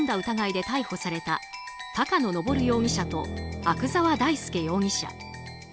疑いで逮捕された高野登容疑者と阿久沢大介容疑者。